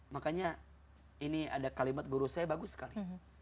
makanya ini ada kalimat guru saya bagus sekali